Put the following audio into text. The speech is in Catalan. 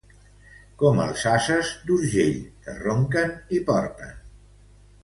Com els ases d'Urgell, que ronquen i porten.